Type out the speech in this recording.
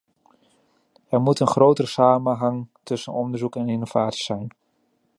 Er moet een grotere samenhang tussen onderzoek en innovatie zijn.